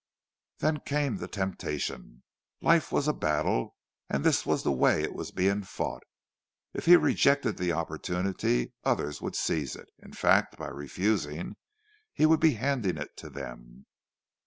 Then came the temptation. Life was a battle, and this was the way it was being fought. If he rejected the opportunity, others would seize it; in fact, by refusing, he would be handing it to them.